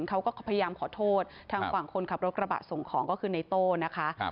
เขาก็พยายามขอโทษทางฝั่งคนขับรถกระบะส่งของก็คือในโต้นะคะ